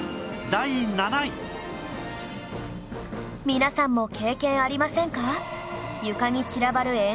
皆さんも経験ありませんか？